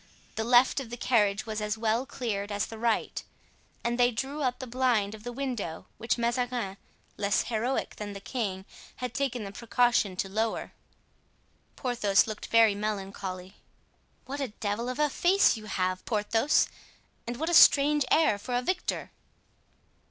The left of the carriage was as well cleared as the right, and they drew up the blind of the window which Mazarin, less heroic than the king, had taken the precaution to lower. Porthos looked very melancholy. "What a devil of a face you have, Porthos! and what a strange air for a victor!"